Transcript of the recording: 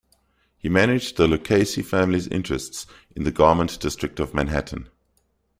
He managed the Lucchese family's interests in the Garment District of Manhattan.